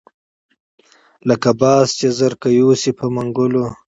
لکه باز چې زرکه یوسي په منګلو